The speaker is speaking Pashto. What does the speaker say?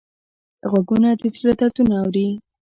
غوږونه د زړه دردونه اوري